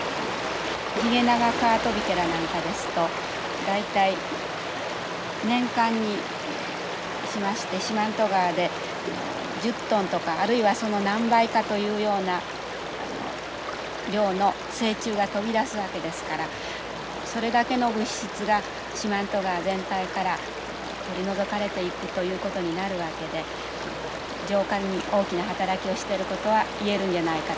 ヒゲナガカワトビケラなんかですと大体年間にしまして四万十川で１０トンとかあるいはその何倍かというような量の成虫が飛び出すわけですからそれだけの物質が四万十川全体から取り除かれていくということになるわけで浄化に大きな働きをしていることは言えるんじゃないかと。